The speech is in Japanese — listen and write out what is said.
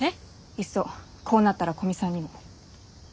いっそこうなったら古見さんにも。